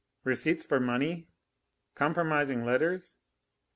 Receipts for money? Compromising letters?